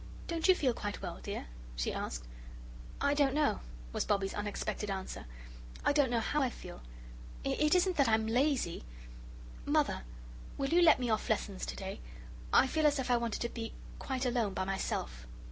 "Don't you feel quite well, dear?" she asked. "I don't know," was Bobbie's unexpected answer. "I don't know how I feel. It isn't that I'm lazy. Mother, will you let me off lessons to day? I feel as if I wanted to be quite alone by myself."